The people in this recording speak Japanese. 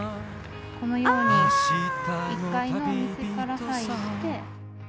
このように１階のお店から入って。